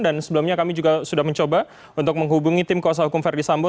dan sebelumnya kami juga sudah mencoba untuk menghubungi tim kawasan hukum verdi sambu